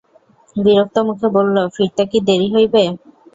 বিরক্ত মুখে বলল, ফিরতে কি দেরি হইব?